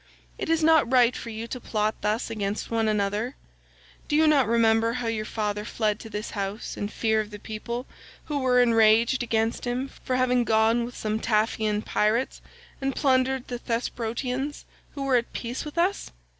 It is not right for you to plot thus against one another. Do you not remember how your father fled to this house in fear of the people, who were enraged against him for having gone with some Taphian pirates and plundered the Thesprotians who were at peace with us?